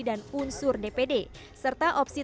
dan unsur dpd serta opsi